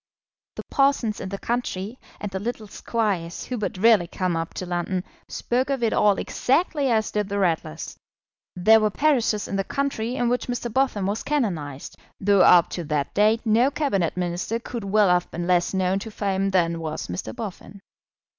The parsons in the country, and the little squires who but rarely come up to London, spoke of it all exactly as did the Ratlers. There were parishes in the country in which Mr. Boffin was canonised, though up to that date no Cabinet Minister could well have been less known to fame than was Mr. Boffin.